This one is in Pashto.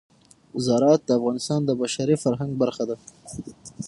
زراعت د افغانستان د بشري فرهنګ برخه ده.